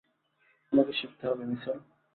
তোমাকে শিখতে হবে, মিশেল।